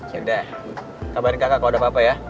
yaudah kabarin kakak kalo ada apa apa ya